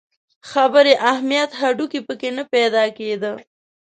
خبري اهمیت هډو په کې نه پیدا کېده.